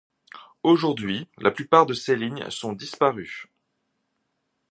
Aujourd'hui, la plupart de ces lignes sont disparues.